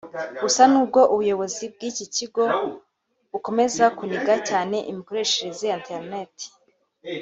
Gusa n’ubwo ubuyobozi bw’iki gihugu bukomeza kuniga cyane imikoreshereze ya internet